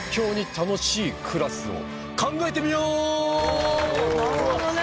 おなるほどね。